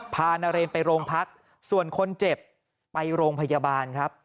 พานาเรนไปโรงพักส่วนคนเจ็บไปโรงพยาบาลครับ